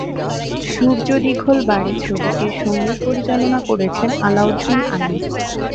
সূর্য দীঘল বাড়ী ছবিটির সংগীত পরিচালনা করেছেন আলাউদ্দিন আলী।